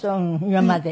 今まで。